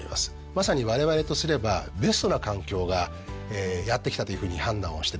まさにわれわれとすればベストな環境がやって来たというふうに判断をしてですね